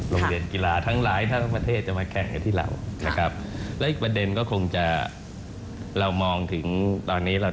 ลงเรียนกีฬาทั้งหลายท่านประเทศจะมาแข่งกันที่เรา